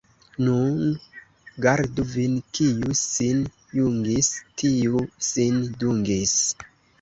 Nun gardu vin: kiu sin jungis, tiu sin dungis.